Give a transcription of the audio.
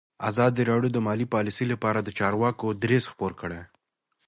ازادي راډیو د مالي پالیسي لپاره د چارواکو دریځ خپور کړی.